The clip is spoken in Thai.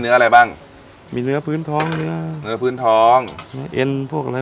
อะไรบ้างมีเนื้อพื้นท้องเนื้อเนื้อพื้นท้องเนื้อเอ็นพวกอะไร